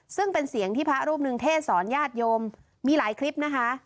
ซึ่งเป็นเสียงที่พระรูปหนึ่งเทศสอนญาติโยมมีหลายคลิปนะคะ